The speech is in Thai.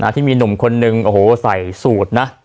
ที่มีหนุ่มคนนึงโอ้โหใส่สูตรนะ